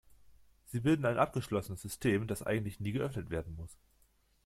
Sie bilden ein abgeschlossenes System, das eigentlich nie geöffnet werden muss.